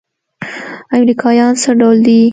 امريکايان څه ډول دي.